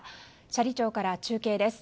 斜里町から中継です。